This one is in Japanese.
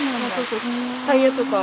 タイヤとか。